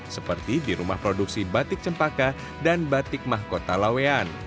seperti di rumah produksi batik cempaka dan batik mahkota lawean